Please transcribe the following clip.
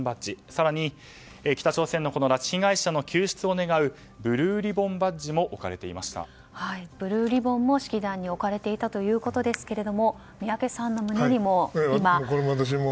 更に北朝鮮の拉致被害者の救出を願うブルーリボンバッジもブルーリボンも式壇に置かれていたということですが宮家さんの胸にもありますね。